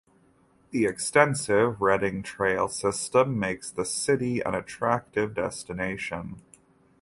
The extensive Redding trail system makes the city an attractive destination.